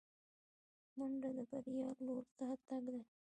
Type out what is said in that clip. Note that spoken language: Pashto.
منډه د بریا لور ته تګ دی